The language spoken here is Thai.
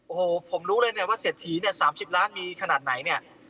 โอ้โฮผมรู้เลยว่าเสียที๓๐ล้านบาทมีขนาดไหน